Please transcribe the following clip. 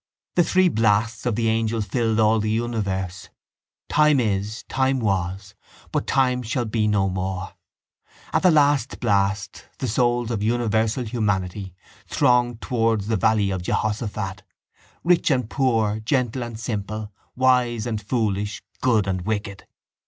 The three blasts of the angel filled all the universe. Time is, time was, but time shall be no more. At the last blast the souls of universal humanity throng towards the valley of Jehosaphat, rich and poor, gentle and simple, wise and foolish, good and wicked.